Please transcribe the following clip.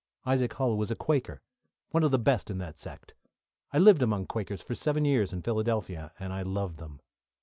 Isaac Hull was a Quaker one of the best in that sect. I lived among quakers for seven years in Philadelphia, and I loved them.